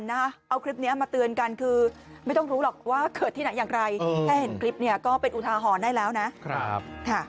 หรือใช่ใช่ครับ